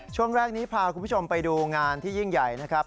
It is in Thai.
ช่วงแรกนี้พาคุณผู้ชมไปดูงานที่ยิ่งใหญ่นะครับ